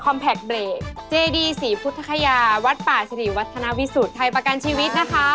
แพคเบรกเจดีศรีพุทธคยาวัดป่าสิริวัฒนาวิสุทธิไทยประกันชีวิตนะคะ